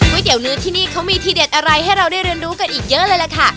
เตี๋ยวเนื้อที่นี่เขามีทีเด็ดอะไรให้เราได้เรียนรู้กันอีกเยอะเลยล่ะค่ะ